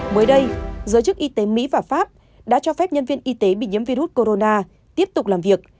mới đây giới chức y tế mỹ và pháp đã cho phép nhân viên y tế bị nhiễm virus corona tiếp tục làm việc